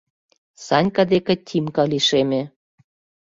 Санька деке Тимка лишеме.